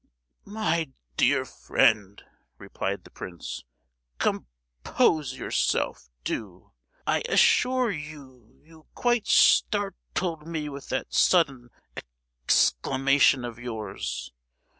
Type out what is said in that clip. "My dear friend," replied the prince, "com—pose yourself, do! I assure you—you quite start—led me with that sudden ex—clamation of yours!